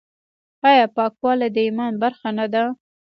آیا پاکوالی د ایمان برخه نه ده؟